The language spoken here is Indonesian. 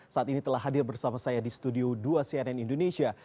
saat ini telah hadir bersama saya di studio dua cnn indonesia